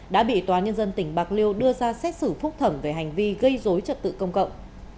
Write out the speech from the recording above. đã bị tòa nhân dân tỉnh bạc liêu đưa ra xét xử phúc thẩm về hành vi gây dối trật tự công cộng